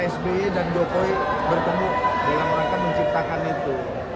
sby dan jokowi bertemu bilang mereka menciptakan itu